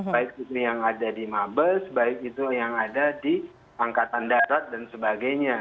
baik itu yang ada di mabes baik itu yang ada di angkatan darat dan sebagainya